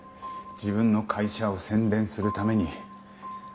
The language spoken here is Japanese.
自分の会社を宣伝するために。